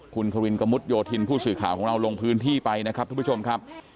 คุณควินกระมุดโยธินผู้สื่อข่าวของเราลงพื้นที่ไปนะครับทุกผู้ชมครับ